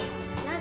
何？